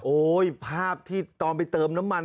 ภาพที่ตอนไปเติมน้ำมัน